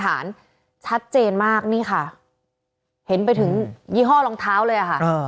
ชัดเจนมากนี่ค่ะเห็นไปถึงยี่ห้อรองเท้าเลยอะค่ะ